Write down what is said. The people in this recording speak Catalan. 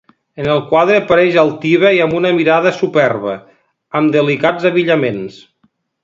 En el quadre apareix altiva i amb una mirada superba, amb delicats abillaments.